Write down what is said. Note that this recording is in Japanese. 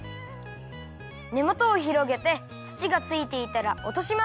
ねもとをひろげてつちがついていたらおとします。